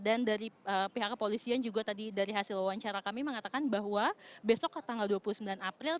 dan dari pihak kepolisian juga tadi dari hasil wawancara kami mengatakan bahwa besok ke tanggal dua puluh sembilan april